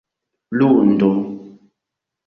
lundo